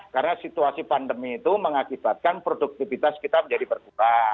karena situasi pandemi itu mengakibatkan produktivitas kita menjadi berubah